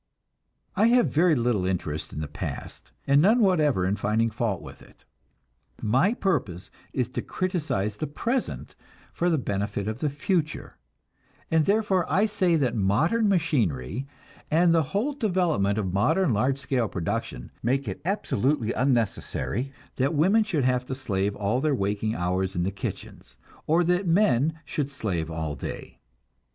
I have very little interest in the past, and none whatever in finding fault with it. My purpose is to criticize the present for the benefit of the future, and therefore I say that modern machinery and the whole development of modern large scale production make it absolutely unnecessary that women should slave all their waking hours in kitchens, or that men should slave all day.